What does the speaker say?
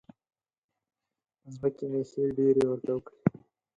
په زړه کې مې ښې ډېرې ورته وکړې.